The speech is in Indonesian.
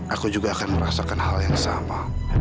aku juga akan merasakan hal yang sama